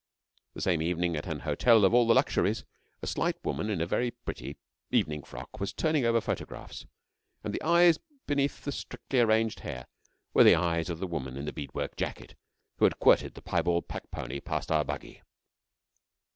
The same evening, at an hotel of all the luxuries, a slight woman in a very pretty evening frock was turning over photographs, and the eyes beneath the strictly arranged hair were the eyes of the woman in the beadwork jacket who had quirted the piebald pack pony past our buggy.